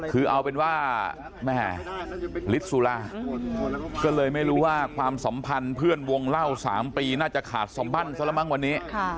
คือเอาเป็นว่าแม่ฤทธิ์สุราก็เลยไม่รู้ว่าความสัมพันธ์เพื่อนวงเล่า๓ปีน่าจะขาดสบั้นซะละมั้งวันนี้